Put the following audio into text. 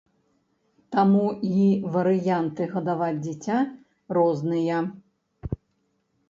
Таму і варыянты гадаваць дзіця розныя.